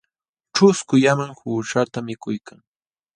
Ćhusku llaman quśhqata mikuykan.